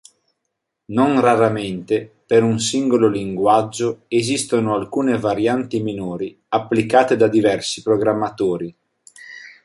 Non raramente, per un singolo linguaggio esistono alcune varianti minori applicate da diversi programmatori.